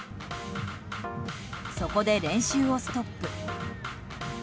そこで練習をストップ。